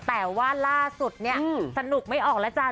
แต่ว่าล่าสุดเนี่ยสนุกไม่ออกแล้วจ้ะ